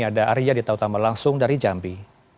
ada area di tautama langsung dari jambi